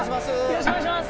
よろしくお願いします。